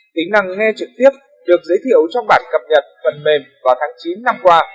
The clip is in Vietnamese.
tính năng nghe trực tiếp được giới thiệu trong bản cập nhật phần mềm vào tháng chín năm qua